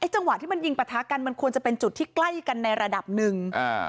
จังหวะที่มันยิงประทะกันมันควรจะเป็นจุดที่ใกล้กันในระดับหนึ่ง